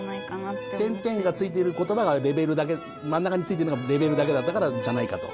「゛」がついていることばがまん中についてるのが「レベル」だけだったからじゃないかと。